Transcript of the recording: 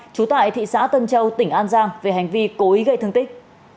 trú tại thị xã tân châu tỉnh an giang về hành vi cố ý gây thương tích